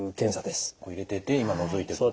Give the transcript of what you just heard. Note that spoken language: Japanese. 入れてって今のぞいてると。